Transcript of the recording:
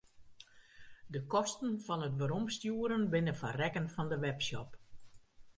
De kosten fan it weromstjoeren binne foar rekken fan de webshop.